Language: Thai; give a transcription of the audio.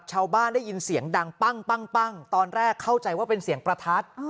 ชาวบ้านได้ยินเสียงดังปั้งปั้งปั้งตอนแรกเข้าใจว่าเป็นเสียงประทัด